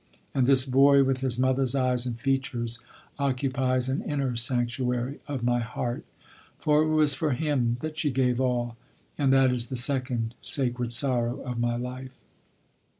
And this boy, with his mother's eyes and features, occupies an inner sanctuary of my heart; for it was for him that she gave all; and that is the second sacred sorrow of my life.